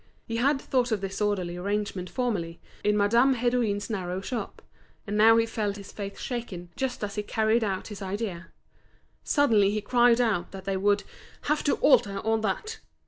He had thought of this orderly arrangement formerly, in Madame Hédouin's narrow shop; and now he fell his faith shaken, just as he carried out his idea. Suddenly he cried out that they would "have to alter all that."